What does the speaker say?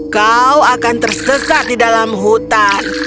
kau akan tersesat di dalam hutan